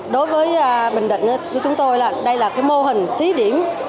đối với bình định thì chúng tôi là đây là cái mô hình thí điểm